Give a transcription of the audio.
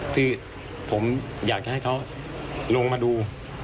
คือผมอยากจะให้เขาลงมาดู